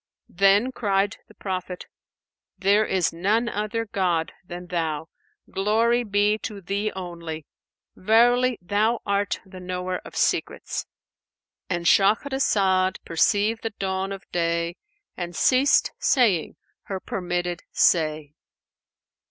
Then cried the Prophet, "There is none other god than Thou! Glory be to Thee only! Verily, Thou art the Knower of Secrets."[FN#495]—And Shahrazad perceived the dawn of day and ceased saying her permitted say.